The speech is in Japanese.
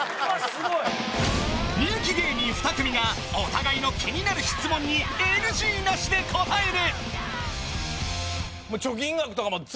すごい人気芸人２組がお互いの気になる質問にＮＧなしで答えるえーっ